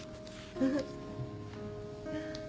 フフ。